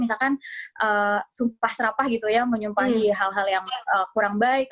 misalkan sumpah serapah menyumpahi hal hal yang kurang baik